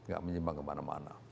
gak menyimbang kemana mana